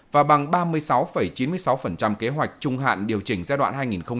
và bằng ba mươi sáu chín mươi sáu kế hoạch trung hạn điều chỉnh giai đoạn hai nghìn một mươi sáu hai nghìn hai mươi